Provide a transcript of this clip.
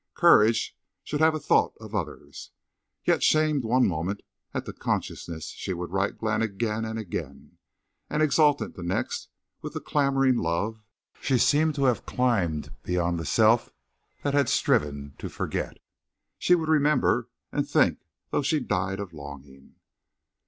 Courage should have a thought of others. Yet shamed one moment at the consciousness she would write Glenn again and again, and exultant the next with the clamouring love, she seemed to have climbed beyond the self that had striven to forget. She would remember and think though she died of longing.